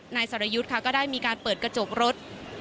สรยุทธ์ค่ะก็ได้มีการเปิดกระจกรถ